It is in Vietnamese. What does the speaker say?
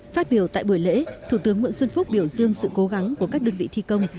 phát biểu tại buổi lễ thủ tướng nguyễn xuân phúc biểu dương sự cố gắng của các đơn vị thi công